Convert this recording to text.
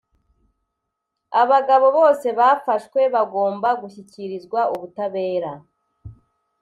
abagabo bose bafashwe bagomba gushyikirizwa ubutabera